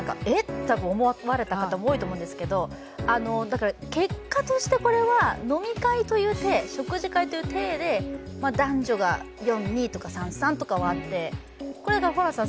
と思われた方も多いと思うんですけど、だから、結果としてこれは飲み会というてい食事会というていで男女が４対２とか、３対３とかあって。